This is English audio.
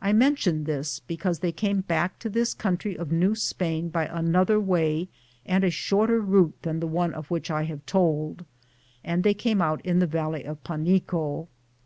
I mention this because they came back to this country of New Spain by another way and a shorter route than the one of which I have told, and they came out in the valley of Fanico.